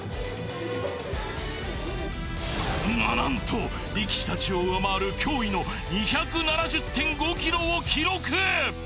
な何と力士達を上回る驚異の２７０．５ｋｇを記録！